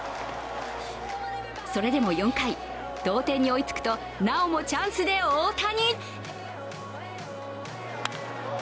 それでも４回、同点に追いつくと、なおもチャンスで大谷。